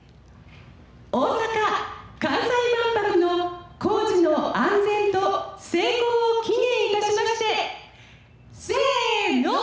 大阪・関西万博の工事の安全と成功を祈念いたしましてせーの。